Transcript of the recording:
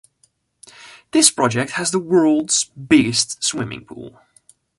This project has the world's biggest swimming pool.